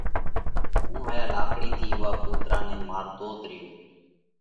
هُون هايا لاڪڙِي ٿِي اُوئا ڪُوترا نئہ مارتوت ريو۔